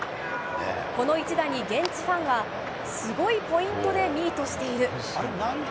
この一打に現地ファンは、すごいポイントでミートしている。